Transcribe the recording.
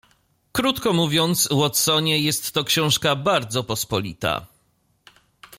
"Krótko mówiąc, Watsonie, jest to książka bardzo pospolita."